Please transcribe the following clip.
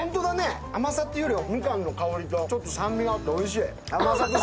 甘さっていうよりはみかんの香りとちょっと酸味があっておいしい。